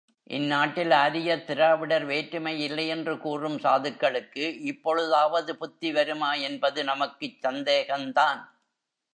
இந்நாட்டில் ஆரியர் திராவிடர் வேற்றுமை இல்லையென்று கூறும் சாதுக்களுக்கு, இப்பொழுதாவது புத்தி வருமா என்பது நமக்குச் சந்தேகந்தான்.